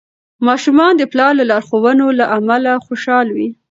ماشومان د پلار لارښوونو له امله خوشحال وي.